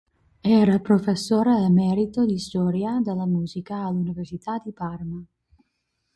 Era professore emerito di storia della musica all'Università di Parma.